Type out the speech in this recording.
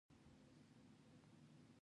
د وحشي ګلونو رنګونه زړه راښکونکي دي